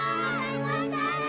またね！